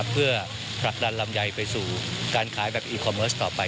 เพื่อผลักดันลำไยไปสู่การขายแบบอีคอมเมิร์สต่อไป